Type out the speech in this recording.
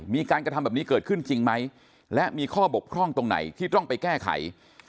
มีการกระทำแบบนี้เกิดขึ้นจริงไหมและมีข้อบกพร่องตรงไหนที่ต้องไปแก้ไข